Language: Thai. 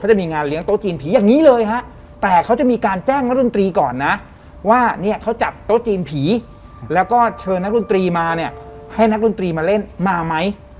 ก็เชิญนักรุ่นตรีมาเนี่ยให้นักรุ่นตรีมาเล่นมาไหม